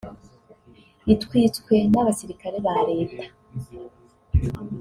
itwitswe n’abasirikare ba Leta